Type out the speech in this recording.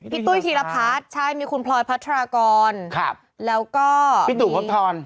พี่ตุ้ยฮิราพรรดิใช่มีคุณพลอยพัทรากรแล้วก็พี่ตู่ภพทร